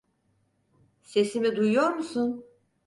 Sesimi duyuyor musun?